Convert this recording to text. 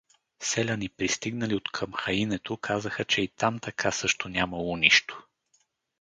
Селяни, пристигнали откъм Хаинето, казаха, че и там така също нямало нищо.